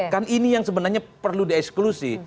kan ini yang sebenarnya perlu di eksklusi